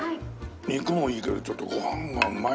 肉もいいけどちょっとご飯がうまいのよ。